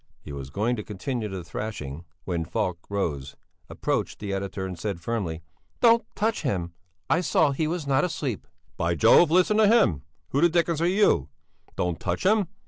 He was going to continue the thrashing when Falk rose, approached the editor, and said firmly: "Don't touch him! I saw that he was not asleep!" "By jove! Listen to him! Who the dickens are you? Don't touch him!